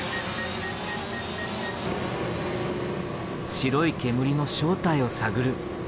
白い煙の正体を探る。